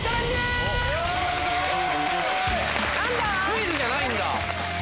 クイズじゃないんだ。